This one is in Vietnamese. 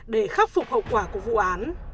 để khắc phục hậu quả của vụ án